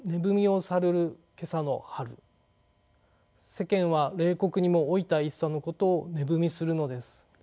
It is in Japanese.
世間は冷酷にも老いた一茶のことを値踏みするのです。